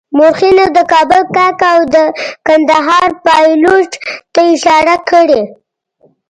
مورخینو د کابل کاکه او کندهار پایلوچ ته اشاره کړې.